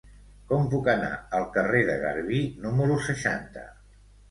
Com puc anar al carrer de Garbí número seixanta?